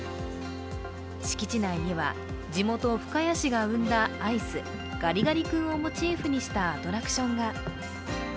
敷地内には地元・深谷市が生んだアイスガリガリ君をモチーフにしたアトラクションが。